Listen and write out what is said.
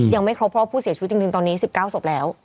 ยังไม่ครบเพราะว่าผู้เสียชีวิตจริงตอนนี้๑๙ศพแล้ว